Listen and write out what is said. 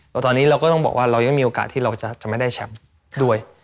แล้วตอนนี้เราก็ต้องบอกว่าเรายังมีโอกาสที่เราจะไม่ได้แชมป์ด้วย